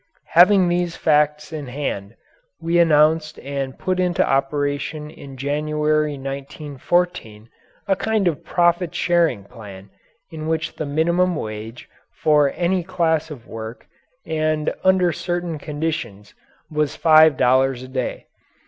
Having these facts in hand we announced and put into operation in January, 1914, a kind of profit sharing plan in which the minimum wage for any class of work and under certain conditions was five dollars a day.